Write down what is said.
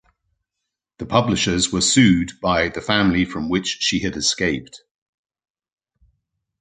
The publishers were sued by the family from which she had escaped.